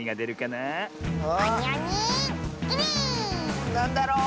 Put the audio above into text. なんだろう？